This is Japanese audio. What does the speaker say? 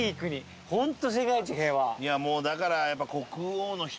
いやもうだからやっぱり。